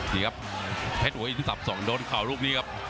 นี่ครับแพทย์หัวหินซับซอกโดนเข่ารูปนี้ครับ